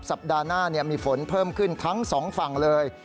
สัปดาห์หน้ามีฝนเพิ่มขึ้นทั้งสองฝั่งเลย